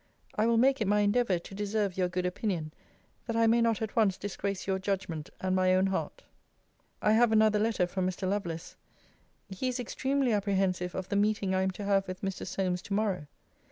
I will make it my endeavour to deserve your good opinion, that I may not at once disgrace your judgment, and my own heart. I have another letter from Mr. Lovelace. He is extremely apprehensive of the meeting I am to have with Mr. Solmes to morrow.